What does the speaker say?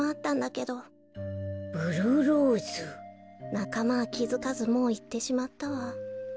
なかまはきづかずもういってしまったわ。